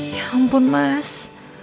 ya ampun mas